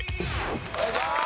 お願いします！